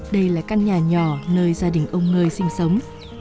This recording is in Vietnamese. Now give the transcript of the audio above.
đây là căn nhà nhỏ nơi gia đình ông nơi sinh sống